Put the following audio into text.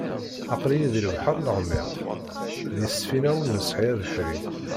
Aql-i di lebḥer leɣmiq, di ssfina ur nesɛi abeḥri.